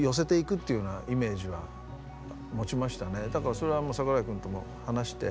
それは櫻井君とも話して。